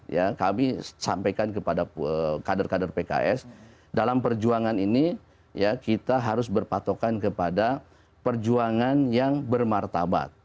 ya kami sampaikan kepada kader kader pks dalam perjuangan ini ya kita harus berpatokan kepada perjuangan yang bermartabat